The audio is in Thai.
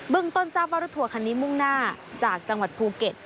ต้นทราบว่ารถทัวร์คันนี้มุ่งหน้าจากจังหวัดภูเก็ต